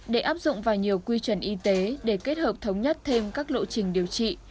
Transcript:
để áp dụng vào nhiều quy chuẩn y tế để kết hợp thống nhất thêm các lộ trình điều trị